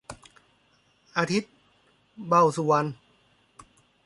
อาทิตย์ เบ้าสุวรรณ